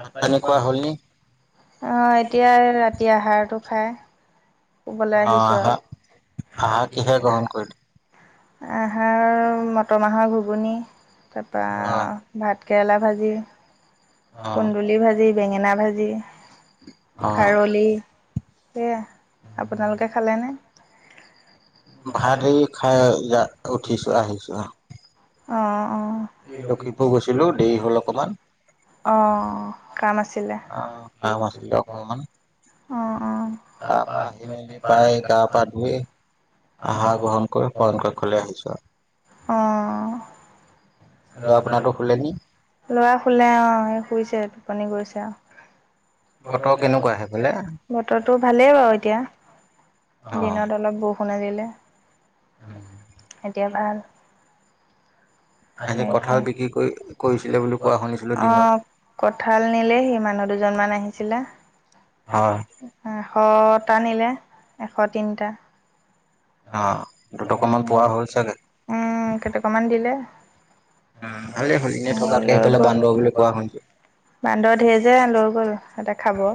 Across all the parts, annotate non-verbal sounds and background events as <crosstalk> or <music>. ভাত অ' পানী খোৱা হ'ল নি? এতিয়া ৰাতি আহাৰটো খাই শুবলৈ অ' আহিছোঁ আৰু আহা আহাক কিহে গ্ৰহণ কৰিলে। আহাৰ মটৰ মাহৰ ঘুগুনি তাৰপা অ ভাত কেৰেলা ভাজি, অ কুন্দুলি ভাজি, বেঙেনা ভাজি। অ খাৰলি সেয়া আপোনালোকে খালেনে ভাত এই খাই যা উঠিছো আহিছো অ' এই লখিমপুৰ অ' গৈছিলো দেৰি হ'ল অ' অকমান কাম আছে অ' কাম আছিল অকমানমান অঁ অঁ তাৰ পৰা আহি মেলি পায় গা পা ধুই আহাৰ গ্ৰহণ কৰি শৰন কক্ষলৈ আহিছো আৰু আহ ল'ৰা আপোনাৰটো শুলে নি? ল'ৰা খোলে অ' শুইছে। টোপনি কৰিছে আৰু বতৰ কেনেকুৱা সেইফালে? বতৰটো ভালেই বাৰু এতিয়া অ দিনত অলপ বৰষুণে দিলে। এয়ে ভাল আজি কঁঠাল বিক্ৰী কৰি কৰিছিলে বুলি কোৱা শুনিছিলো দিনত। অ' কঠাল নিলেহি মানুহ দুজন মান আহিছিলা। হয় এশটা নিলে এশ তিনিটা। অ' দুটাকা অকমান পোৱা হ'ল চাগে। উম। কেটকা মান দি হেৰি ভালেই হ'ল এনেই থকাতকে সেইফালে বান্দৰ বুলি কোৱা শুনিছো। বান্দৰ ধঢে যে লৈ গ'ল এটা খাব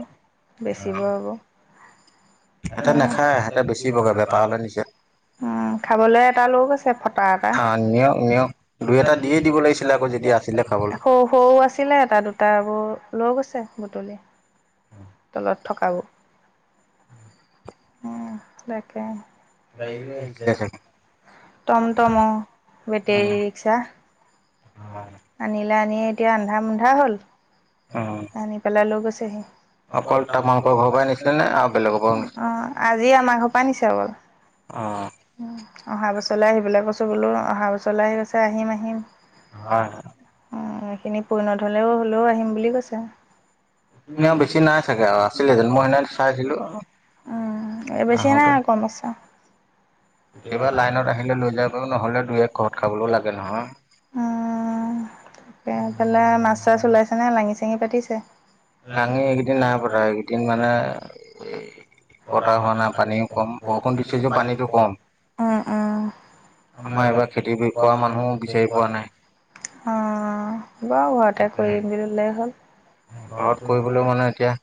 বেচিব অক সিহঁতে নাখায় সিহঁতে বেছি বগে বেপাৰলৈ নিছে ম খাবলে এটা লৈ গৈছে ফটা এটা খা নিয়ক নিয়ক দুই দুই এটা দি দিয়ে দিব লাগছিল লাগিছিলে আকৌ যেতিয়া আছিলে খাবলৈ সৰু সৰু আছিলে। এটা দুটা আকৌ লগ ছে বুটলি তলত থকাবোৰ উম, তাকে কাইল আহিছিলিলে চাগে। টম টম উম বেটৰী ৰিক্সা আনে আ এতিয়া অন্ধা মুন্ধা হ'ল আনি পেলাই লৈ গৈছেহি। অ' অকল তোমালোকৰ ঘৰৰ পৰাই নিছিলে নে আৰু বেলেগৰ পৰাও নিছিলে আজি আমাৰ ঘৰ পৰা নিছে অকল অ অহা বছৰলৈ আহিবলৈ কছোং বোলো অহা বছৰলৈ আহি কৈছে আহিম আহিম। হয়, হয়। সেইখিনি পৰিণত হ'লেও হ'লেও আহিম বুলি কৈছে। বেছি নাই চাগে আৰু আছিলেনো মই এনে চাইছিলো আৰু বেছি নাই কম আস কেতিয়াবা লাইনত আহিলে লৈ যাব নহলে দুই এক ঘৰত খাবলৈও লাগে নহয়। তাকে এইফালে মাছ চাছ ওলাইছে নে লাঙি চাঙি পাতিছে। লাঙি এইকেইদিন নাই পতা এইকেইদিন মানে পতা হোৱা নাই পানীও কম বৰষুণ দৃশ যে পানীতটো কম উম উম আমাৰ এইবাৰ খেতি কৰা মানুহো বিচাৰি পোৱা নাই। অঁ বাৰু ঘৰতে কৰিম বুলি লোই হ'ল ঘত কৰিবলৈ মানে এতিয়া,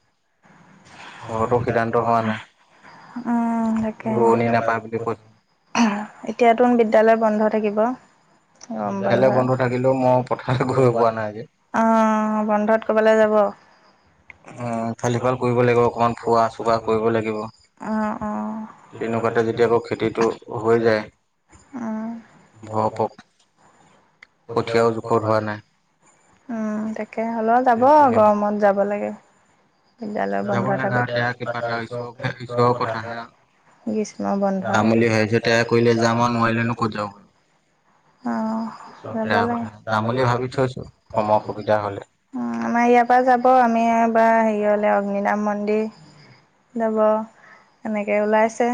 ঘৰতো সিদ্ধান্ত হোৱা নাই! উম, তাকে ৰোৱনী নাপায় বুলি কৈছে। এতিয়াতো বিদ্যালয়ৰ বন্ধ থাকিব, গৰম বন্ধ বিদ্যালয় থাকিলেও মই পথাৰ গৈ পোৱা নাই যে আহ বন্ধত কবালৈ যাব। উম, কালি পৰা কৰিব লাগিব অকনমান ফোৱা চোৱা কৰিব লাগিব। অ তেনেকুৱাতে যেতিয়া আকৌ খেতিতটো হৈ যায়। উম। ঘৰৰভক কঠীয়াও জোখৰ হোৱা নাই। উম, তাকে হ'লেও যাব গৰমত যাব লাগে বিদ্যালয় যাব বন্ধ লাগে থাকে। আৰু তেয়া কিবা এটা ঈশ্বৰ ঈশ্বৰৰ কথাহে আৰু গ্ৰীষ্ম বন্ধ্ৰ <inaudible> যাম বুলি ভাবিছো তেয়া কৰিলে যাম আৰু নোৱাৰিলেনো ক'ত যাব পাৰিম চব তেয়া কথা যাম বুলি ভাবি ভাবিছো থৈছো ক সময় অসুবিধা সুবিধা হলে আমাৰ ইয়াৰ পৰা যাব আমি এবাৰ হেৰি হলে অগ্ন নাম মন্দিৰ যাব এনেকে ওলাইছে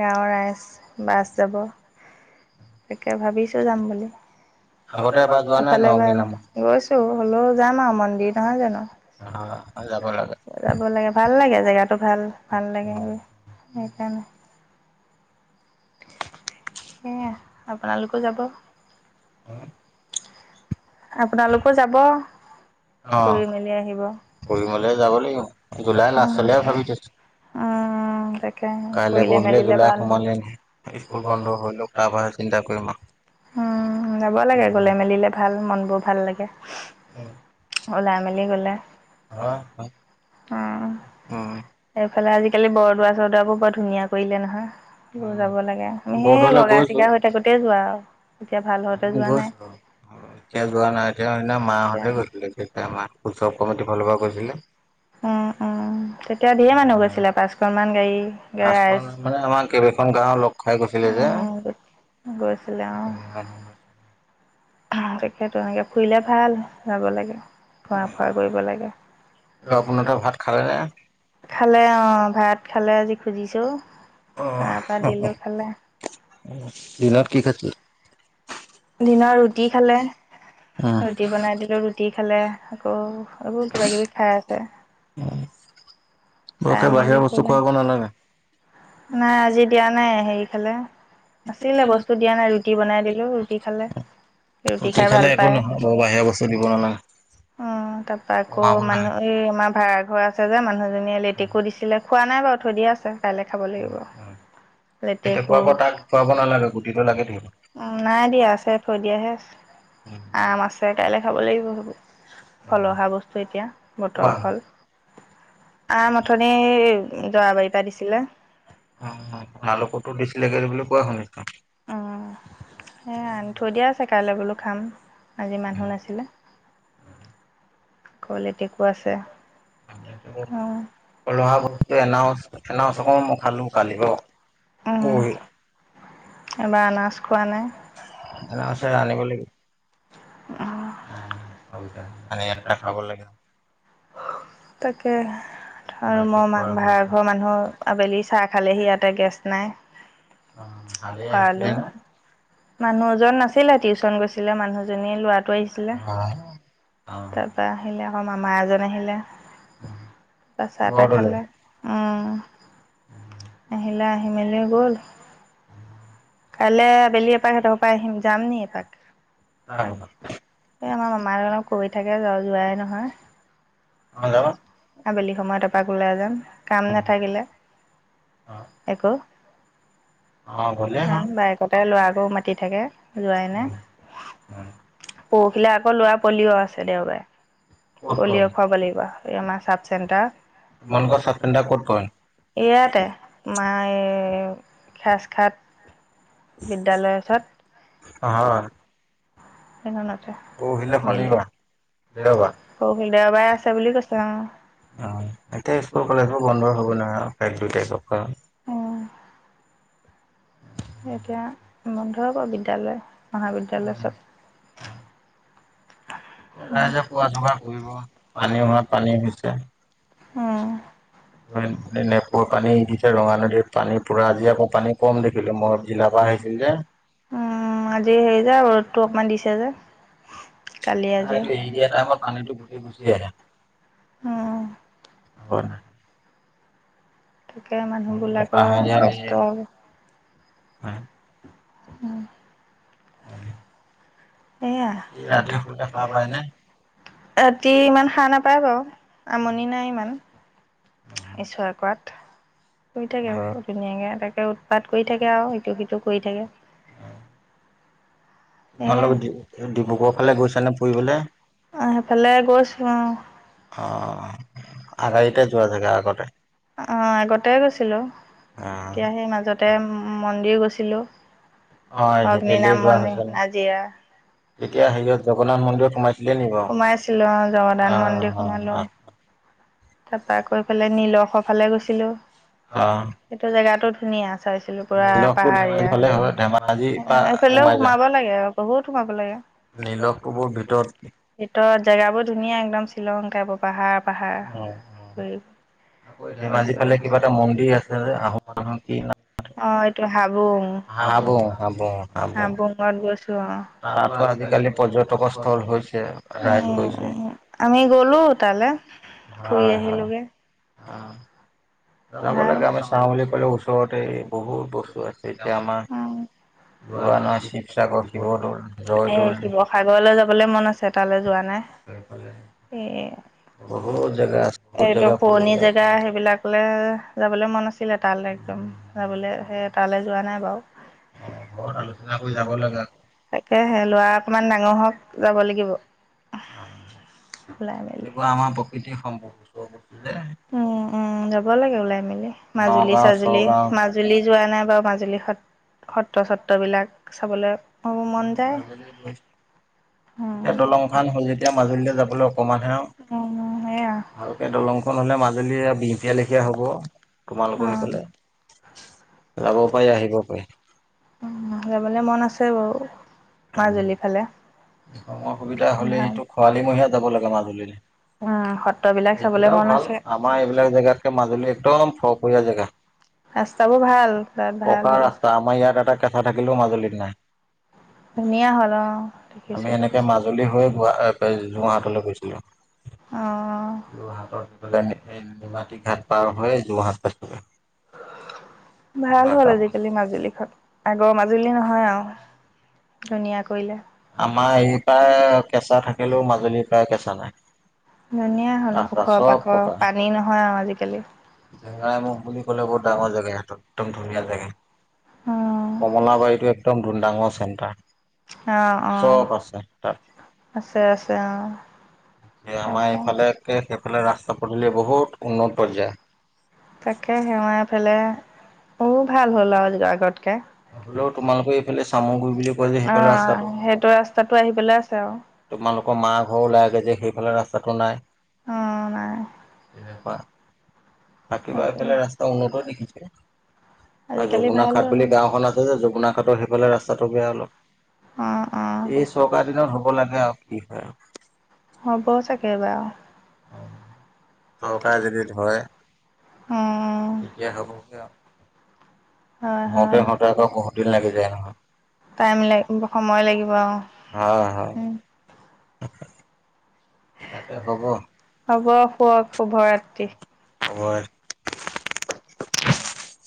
গাঁওৰ ৰাইজ বাছ যাব। তাকে ভাবিছোঁ যাম বুলি। আগতে এবাৰ যোৱা নাই নগ্নি নামত <unintelligible> গৈছো হলেও যাম আও মন্দিৰ নহয় জানো হয় যাব লাগে যাব লাগে ভাল লাগে জেগাত টো ভাল লাগে সেইকাৰণে সেয়া আপোনালোকো যাব আপোনালোকো যাব অ ফুৰি মেলি আহিব অ ফুৰিবলৈ যাব লাগিব জুলাই লাষ্টলৈ ভাবি থৈছো অ কাইলৈ ফুলিলে পৰহিলে মেলিলে জুলাই ভাল সোমালে নহয় স্কুল বন্ধ হৈ লওক তাৰ পৰা চিন্তা কৰিম আৰু উম যাব লাগে গলে মেলিলে ভাল মন বোৰ ভাল লাগে উম ওলাই মেলি গ'লে আহ উম ইফালে আজিকালি বৰদোৱা চৰদোৱো বো বৰ ধুনীয়া কৰিলে নহয় সেইবোৰ উম যাব লাগে আমি সেই বৰদোৱালৈ বগা গৈছো চিগা হৈ থাকোতে যোৱা আও আৰতে যোৱা নাই গৈছো এতিয়া যোৱা নাই এতিয়া সেইদিনা মাহঁতে গৈছিলে তেতিয়া মাহ উৎসৱ কমিটিৰ ফালৰ পৰা এতিয়া গৈছিলে উম এতিয়া ধেৰ মানুহ গৈছিলে পচশনমান গাড়ী পাঁচখন মানে আমাৰ কেইবাখন গাঁও লগ খাই গেৰাইছ গৈছিলে যে অহ গৈছিলে অ তাকেতো এনেকে ফুৰিলে ভাল যাব লাগে খোৱা ফোৱা কৰিব লাগে আপোনাৰ তাত ভাত খালে নে খালে অ ভাত খালে আজি খুজিছোঁ তাৰ পৰা দিলোঁ খালে উম, দিনত কি খাইছিলি? দিনৰ ৰুটি খালে। ৰুটি বনাই দিলোঁ ৰুটি খালে, আকৌ এইবোৰ কিবা কিবি খাই আছে। বৰকে বাহিৰা বস্তু খুৱাব নালাগে <unintelligible> নাই আজি দিয়া নাই হেৰি খালে, আছিলে বস্তু দিয়া নাই ৰুটি বনাই দিলোঁ। টি খালে, ৰুটি খাই ভাল খালে একো পায়, নহয় বাৰু বাহিৰা বস্তু দিব নালাগে উম, তা আকৌ কমাব লাগে মানুহ এই আমাৰ ভাড়াৰ ঘৰ আছে যে। মানুহজনীয়ে লেটেকু দিছিলে খোৱা নাই বাৰু থৈ দিয়া আছে কাইলৈ খাব লাগিব। লেটেকু তেনেকুৱা আকৌ তাক <unintelligible> খুৱাব নালাগে গুটিটো লাগে থাকিব উম, নাই দিয়া আছে থৈ দিয়াহে আছে, আম আছে। কাইলে খাব লাগিব সেইবোৰ, ফল অহা বস্তু এতিয়া বতৰ কোৱা হল। আম অথনি, যাৰাবাৰীৰ পৰা দিছিলে। অ', ভাল <unintelligible> দিছিলে বুলি কোৱা শুনিছোঁ। এ আনি থৈ দিয়া আছে কাইলে বোলো খাম, আজি মানুহ নাছিলে। কল লেটেকু আছে। <unintelligible> অ' পলহা বস্তু <unintelligible> খালোঁ কালি বাউ। উম, আমাৰ আনাৰস খোৱা নাই। আনাৰসে আনিব লাগিব। <unintelligible> আনি এটা খাব লাগে তাকে, আৰু মই-মা ভাড়াঘৰৰ মানুহ আবেলি চাহ খালেহি ইয়াতে গেছ নাই, কালি <unintelligible> আহিলে খালোঁ। মানুহ এজন নাছিলে টিউচন গৈছিলে মানুহজনী ল'ৰাটো আহিছ অ। তাৰপা আহিলে আকৌ মামা এজন আহিলে। তাৰ পৰা চাহ টা ঘৰটোলৈ খালে উম। আহিলে আহি মেলি গ'ল। কাইলৈ আবেলি সঁতৰ পৰাই আহিম যাম নি এপাক আমাৰ মামা কব <unintelligible> থাকে যাওঁ যোৱাই নহয় নাযাবা? আবেলি সময়ত এপাক ওলাই যাম কাম নাথাকিলে একো। অ' গ'লেই হ'ল। বাইকতে লৰাতো মাতি থাকে যোৱাই নাই পৰখিলে আকৌ লোৱা পলিঅ' আছে দেওবাৰে ক'ত কৰে? পলিঅ' খুৱাব লাগিব। এই আমাৰ চাব চেণ্টাৰ। তোমালোকৰ চাব চেণ্টাৰ ক'ত পৰে ইয়াতে আমা এ হাজ খাট বিদ্যালয়ৰ ওচৰত সেই খনত। পঢহিলে শনিবাৰ। দেওবাৰ দেওবাৰে আছে বুলি কৈছে উম। অ এতিয়া স্কুল কলেজ বোৰ বন্ধ হ'ব নহয় এক দুই তাৰিখৰ পৰা। উম। এতিয়া বন্ধ হব বিদ্যালয় মহাবিদ্যালয় চব। উ <unintelligible> ৰাইজ পানী যোগাৰ কৰিব পানী হোৱাত পানী হৈছে উম। নেপৰ পানী দিছে ৰঙা নদীৰত পানী পুৰা আজি আকৌ পানী কম দেখিলো মই জিলা ছিল যে উম আজি হেৰি যে ৰদটো অকমান দিছে যে কালি ন আজি অ এৰিদিয়া টাইমত পানীতটো গোটেই গুছি আহে উম হয় তাকে মানুহবিলাকৰ কষ্ট হয় উম এয়া ৰাতি শুলে সাৰ পায় নে ৰাতি ইমান হাৰ নাপায় বাৰু আমনি নাই ইমান ঈশ্বৰে কৰাত শুই থাকে বাৰু ধুনীয়াকে তাকে উৎপাত কৰি থাকে আৰু ইিটো সিটো কৰি থাকে তোমালোক ডিব্ৰুগড় উলে ফালে গছ গৈছা নে ফুৰিবলে আহফালে গছ অ অ' আগাৰীতে যোৱা জেগা আগতে অ' আগতে গৈছিলো, অ এতিয়া সেই মাজতে মন্দিৰ গৈছিলো। অ সেইফালে অগ্নিনাভ যোৱা মন্দিৰ হৈছে ন নাজিৰা। তেতিয়া হেৰিয়ত জগন্নাথ মন্দিৰত সোমাইছিলে নি বাৰু সোমাইছিলো অ অ জগন্নাথ মন্দিৰ অ সোমালো অ তাৰপা কৈ ফালে নীলসৰ ফালে গৈছিলো অ সেইটো জেগাতটো ধুনীয়া চাইছিলো পুৰা নিলখটো পাহাৰীয়া ভালে হয় ধেমাজি পৰা হেফালেও সোমাই যায় সোমাব লাগে বহুত লাগে নিলখটো বৰ ভিতৰত শ্বিলংকাব পাহাৰ পাহাৰ কৰি। ধেমাজি ফালে কিবা এটা মন্দিৰ আছে যে আহো আহো কি নাম অ' হাবুং হাবুং হাবুং এইটো <unintelligible> তাৰ পৰা তাতো আজিকালি পৰ্যটকৰ চ্বৰত স্থল হৈছে গৈছে। উম, ৰাইজ গৈছে উম আমি গ'লো তালে। ফুই হয় হয় আহিলোগে অ যাব লাগে আমি চাওঁ বুলি ক'লে ওচৰতে বহুত বস্তু আছে এতিয়া আমাৰ যোৱা নহয় শিৱসাগৰ শিৱদৌল এ জয়দৌল শিৱসাগৰলৈ যাবলে মন আছে তালৈ যোৱা নাই এ বহুত জেগা আছে বহুত এইটো জেগা পুৰণি ফুৰিবলৈ আছে জেগা সেইবিলাক তলে যাবলৈ মন আছিলে তালৈ একদম যাবলৈ সেই তালৈ যোৱা নাই বাৰু। ঘৰত আলোচনা কৰি যাব লাগে, তাকেহে ল'ৰা অকমান ডাঙৰ হওঁক। যাব লাগিব। ওলাই মেলি এইবোৰ আমাৰ প্ৰকৃতিৰ সম্পদ যে উম, উম। যাব লাগে, ওলাই মেলি মাজুলী নগাঁও চাজুলী চগাঁও মাজুলী যোৱা নাই বাৰু মাজুলী সত সত্ৰ চত্ৰবিলাক চাবলৈ। মোৰ মন যায়। <unintelligible> এতিয়া দলং খন হ'ল যেতিয়া মাজুলীলৈ যাবলৈ অকমানহে আৰু উম, সেয়া ভালকে দলং হ'লে মাজুলী বিষ এতিয়া লেখিয় হ'ব উম, তোমালোকৰ সকলে যাব পাৰি আহিব পাৰি যাবলে মন আছে বাৰু মাজুলীৰ ফালে সময় সুবিধা হ'লে খৰালি মহিয়ান যাব লাগে। উম, সত্ৰবিলাক চাবলে এতিয়াও মন ভাল আছে। আমাৰ এইবিলাক জেগাতকে মাজুলী একদম ফৰপৰীয়া জেগা ৰাস্তাবোৰ ভাল ভাল পকা ৰাস্তা আমাৰ ইয়াত এটা কেঁচা থাকিলেও মাজুলীত নাই ধুনীয়া হ'ল অ'। আমি এনেকে মাজুলী হৈ গ যোৰহাটলৈ গৈছিলো। অঁ যোৰহাটত সেইফাইলে এই নিমাতী ঘাট পাৰ হৈ যোৰহাটা প্ৰায় চোগে ভাল হ'ল আজিকালি মাজুলীখনত আগৰ মাজুলী নহয় আৰু ধুনীয়া কৰিলে। আমাৰ এৰি পৰা কেঁচা থাকিলেও মাজুলীৰ পৰা কেঁচা নাই। ধুনীয়া হ'ল ৰাস্তা পখ চব পাকৰ পানী নহয় আৰু আজিকালি। টৈঙৰামহ বুলি ক'লে বহুত ডাঙৰ জেগা স একদম ধুনীয়া জেগা কমলাবাৰীটো একদম ডুনডাঙৰ চেণ্টাৰ। আহ অ' চব আছে অ' তাত। আছে আছে আহ সেই আমাৰ ইফালে কে সেইফালে ৰাস্তা পদূলি বহুত উন্নত পৰ্যায়। তাকে সেৱাই পেলাই অ' বহুত ভাল হ'ল আৰু আগতকে। হ'লেও তোমালোকৰ এইফালে চামগুৰি বুলি কয় যে অ, সেইফালে ৰাস্তাটো সেইটো ৰাস্তাতটো আহি পেলাই আছে আৰু তোমালোকৰ মা ঘৰ ওলাই আগে যে সেইফালে ৰাস্তাটো নাই। অ' নাই। থাকিবাফালে ৰাস্তা উন্নত দেখিছিল আৰু আজিকালি যমুনা ভাল ঘাট হ'ল। বুলি গাঁওখন আছে। যে যমুনা ঘাটৰ সেইফালে ৰাস্তাটো বেয়া অ অ। অলপ। এই চৌকাৰ দিনত হ'ব লাগে আৰু কি হয় হ'ব আৰু চাগে এইবাৰ চৰকাৰে যদি ধৰে উম। তেতিয়া হ'বগে আৰু। হয়, হওঁতে হওঁতে হয়। আকৌ বহুত দিন লাগি যায় নহয়। টাইম লাগ সময় লাগিব আৰু হয় হয় উম। তাকে হ'ব, হ'ব শুক শুভ ৰাতি। <unintelligible>